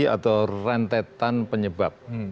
atau rentetan penyebab